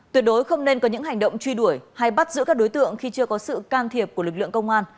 tuyệt đối không nên có những hành động truy đuổi hay bắt giữ các đối tượng khi chưa có sự can thiệp của lực lượng công an